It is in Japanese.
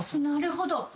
なるほど。